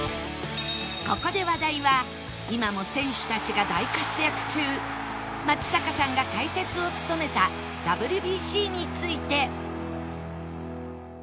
ここで話題は今も選手たちが大活躍中松坂さんが解説を務めた ＷＢＣ について